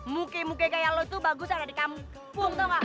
muke muke kayak lo tuh bagus aja di kampung tau gak